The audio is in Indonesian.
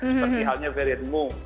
seperti halnya variant moon